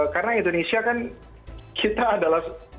karena indonesia kan kita adalah